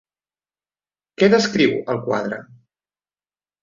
Què descriu el quadre?